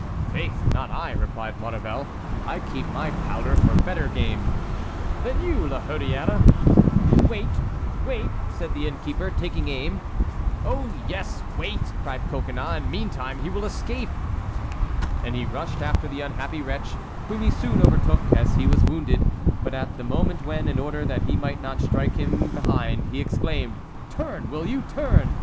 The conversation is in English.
"Faith, not I," replied Maurevel. "I keep my powder for better game." "You, then, La Hurière!" "Wait, wait!" said the innkeeper, taking aim. "Oh, yes, wait," cried Coconnas, "and meantime he will escape." And he rushed after the unhappy wretch, whom he soon overtook, as he was wounded; but at the moment when, in order that he might not strike him behind, he exclaimed, "Turn, will you! turn!"